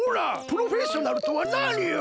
プロフェッショナルとはなによ！？